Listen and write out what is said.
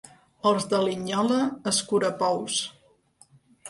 Els de Linyola, escurapous.